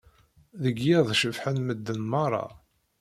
Deg yiḍ cebḥen medden merra.